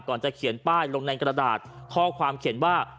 ก่อนจะเขียนป้ายลงในกระดาษข้อความเขียนว่า